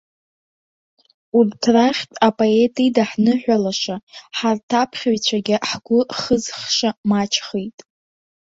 Урҭ рахьтә апоет идаҳныҳәалаша, ҳарҭ аԥхьаҩцәагьы ҳгәы хызхша маҷхеит.